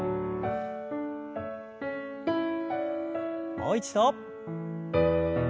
もう一度。